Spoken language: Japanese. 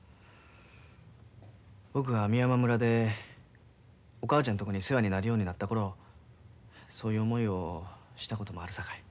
僕が美山村でお母ちゃんとこに世話になるようになった頃そういう思いをしたこともあるさかい。